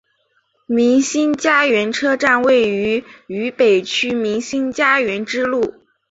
民心佳园车站位于渝北区民心佳园支路。